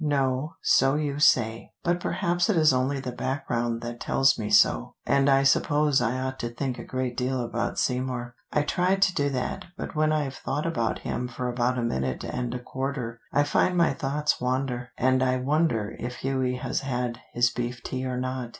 "No, so you say; but perhaps it is only the background that tells me so. And I suppose I ought to think a great deal about Seymour. I try to do that, but when I've thought about him for about a minute and a quarter, I find my thoughts wander, and I wonder if Hughie has had his beef tea or not.